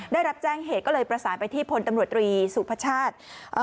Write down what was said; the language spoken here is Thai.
ได้รับแจ้งเหตุก็เลยประสานไปที่พลตำรวจตรีสุพชาติ